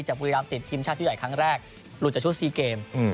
บุรีรามติดทีมชาติชุดใหญ่ครั้งแรกหลุดจากชุด๔เกม